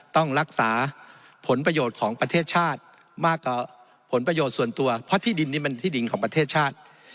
ต้องรักษาผลประโยชน์ของประเทศชาติมากกว่าผลประโยชน์ส่วนตัวเพราะที่ดินนี้มันที่ดินของประเทศชาติ